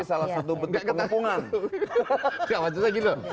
ini salah satu bentuk penghapungan